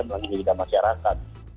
melalui pilihan masyarakat